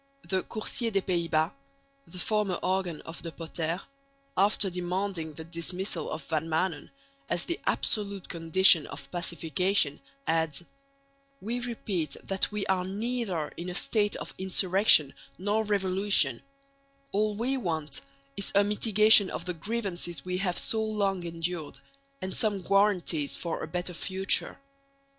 The Coursier des Pays Bos (the former organ of De Potter), after demanding the dismissal of Van Maanen as the absolute condition of pacification, adds: We repeat that we are neither in a state of insurrection nor revolution; all we want is a mitigation of the grievances we have so long endured, and some guarantees for a better future.